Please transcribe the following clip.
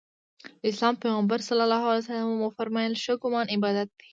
د اسلام پیغمبر ص وفرمایل ښه ګمان عبادت دی.